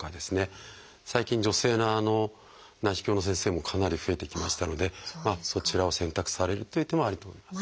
最近女性の内視鏡の先生もかなり増えてきましたのでそちらを選択されるという手もあると思います。